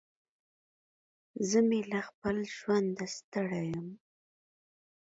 زه مې له خپل ژونده ستړی يم.